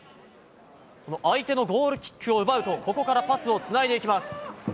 相手のゴールキックを奪うと、ここからパスをつないでいきます。